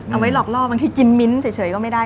เอาไว้หลอกล่อบางทีกินมิ้นเฉยก็ไม่ได้